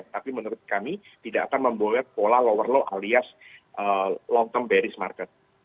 tapi menurut kami tidak akan memboleh pola lower low alias long term baris market